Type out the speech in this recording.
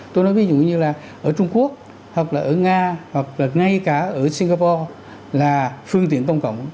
tôi nói ví dụ như là ở trung quốc hoặc là ở nga hoặc là ngay cả ở singapore là phương tiện công cộng